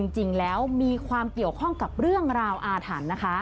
จริงแล้วมีความเกี่ยวข้องกับเรื่องราวอาถรรพ์นะคะ